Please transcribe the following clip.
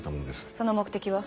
その目的は？